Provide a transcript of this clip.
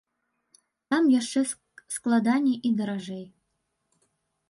Там яшчэ складаней і даражэй.